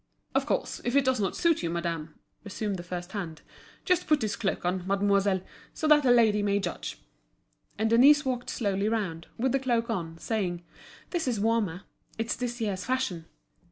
"Of course, if it does not suit you, madame—" resumed the first hand. "Just put this cloak on, mademoiselle, so that the lady may judge." And Denise walked slowly round, with the cloak on, saying: "This is warmer. It's this year's fashion."